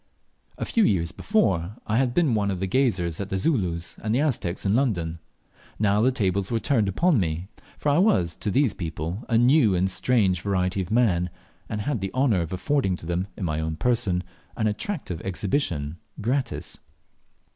A few years before I had been one of the gazers at the Zoolus, and the Aztecs in London. Now the tables were turned upon me, for I was to these people a new and strange variety of man, and had the honour of affording to them, in my own person, an attractive exhibition, gratis.